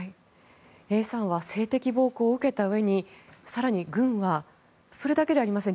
Ａさんは性的暴行を受けたうえに更に、軍はそれだけではありません。